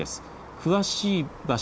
詳しい場所